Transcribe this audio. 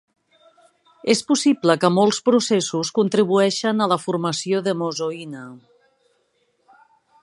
És possible que molts processos contribueixen a la formació d'hemozoïna.